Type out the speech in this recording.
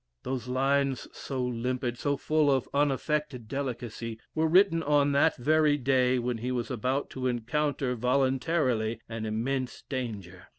Those lines, so limpid, so full of unaffected delicacy, were written on that very day when he was about to encounter voluntarily an immense danger.